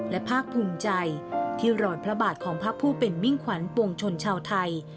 และภาคภูมิใจที่รอนพระบาทของพระผู้เป็นมิ่งขวัญปวงชนชาวไทย